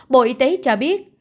bộ y tế cho biết